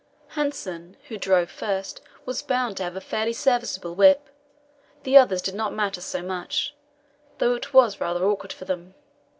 Hanssen, who drove first, was bound to have a fairly serviceable whip; the others did not matter so much, though it was rather awkward for them.